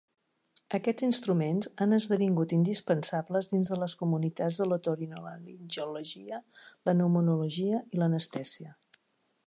Aquests instruments han esdevingut indispensables dins de les comunitats de l'otorinolaringologia, la pneumologia i l'anestèsia.